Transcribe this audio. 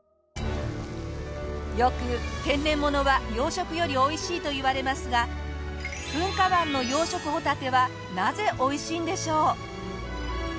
よく天然物は養殖よりおいしいといわれますが噴火湾の養殖ホタテはなぜおいしいんでしょう？